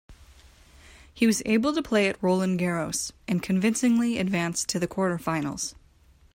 He was able to play at Roland Garros and convincingly advanced to the quarterfinals.